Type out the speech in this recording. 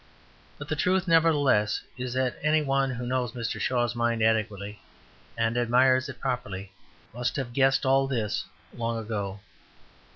But the truth, nevertheless, is that any one who knows Mr. Shaw's mind adequately, and admires it properly, must have guessed all this long ago.